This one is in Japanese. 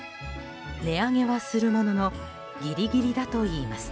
値上げはするもののギリギリだといいます。